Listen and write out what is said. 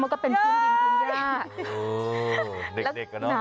ก็เป็นผู้ยิงคืนย่า